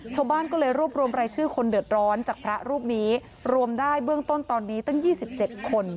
ชาวบ้านก็เลยรวบรวมรายชื่อคนเดือดร้อนจากพระรูปนี้รวมได้เบื้องต้นตอนนี้ตั้ง๒๗คน